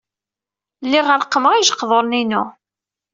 Lliɣ reqqmeɣ ijeqduren-inu.